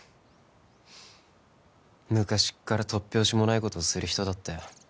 昔っから突拍子もないことをする人だったよ